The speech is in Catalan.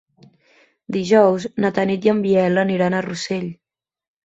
Dijous na Tanit i en Biel aniran a Rossell.